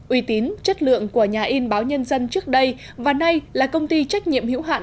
uy tín chất lượng của nhà in báo nhân dân trước đây và nay là công ty trách nhiệm hữu hạn